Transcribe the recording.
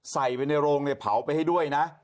ใส่ไปในโรงเนี่ยเผาไปให้ด้วยนะ